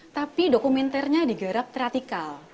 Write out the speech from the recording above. tapi dokumenternya digerak teratikal